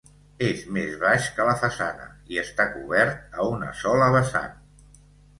És més baix que la façana i està cobert a una sola vessant.